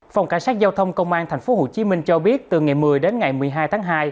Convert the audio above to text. phòng cảnh sát giao thông công an tp hcm cho biết từ ngày một mươi đến ngày một mươi hai tháng hai